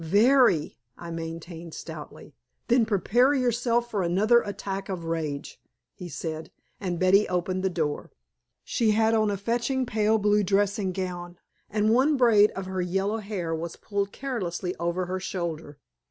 "Very," I maintained stoutly. "Then prepare yourself for another attack of rage!" he said. And Betty opened the door. She had on a fetching pale blue dressing gown, and one braid of her yellow hair was pulled carelessly over her shoulder.